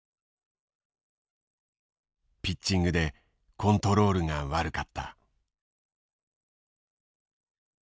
「ピッチングでコントロールがわるかった」。